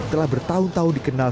telah bertahun tahun dikenal